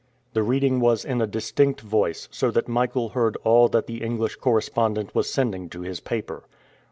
The reading was in a distinct voice, so that Michael heard all that the English correspondent was sending to his paper.